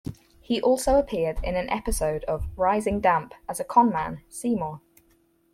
He also appeared in an episode of "Rising Damp" as a conman, Seymour.